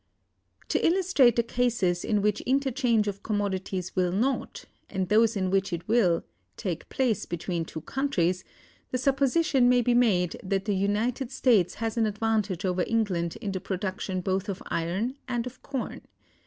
To illustrate the cases in which interchange of commodities will not, and those in which it will, take place between two countries, the supposition may be made that the United States has an advantage over England in the production both of iron and of corn.